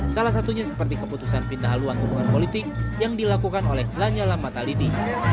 salah satunya seperti keputusan pindah haluan hubungan politik yang dilakukan oleh lanyala mataliti